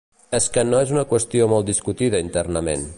És que és una qüestió molt discutida internament.